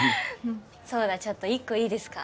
そうだちょっと一個いいですか？